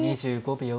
２５秒。